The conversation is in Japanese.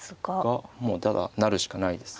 がもうただ成るしかないです。